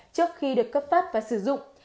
trước khi được cấp phép và sử dụng